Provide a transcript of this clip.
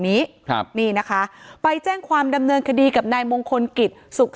นี้ครับนี่นะคะไปแจ้งความดำเนินคดีกับนายมงคลกิจสุข